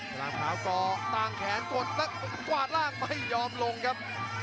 สลามขาวก่อนต่างแขนกวาดร่างไม่ยอมลงครับ